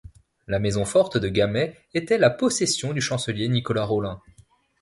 La Maison forte de Gamay était la possession du chancelier Nicolas Rolin.